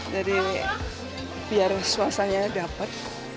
jadi biar suasanya dapat